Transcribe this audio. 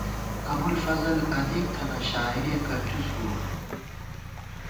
ابُوالفضل ادیب تھنہ ، شاعر یَہ کنجُوس بُوَہ